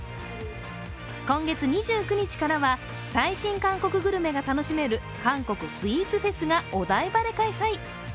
今月２９日からは、最新韓国グルメが楽しめる韓国スイーツフェスがお台場で開催。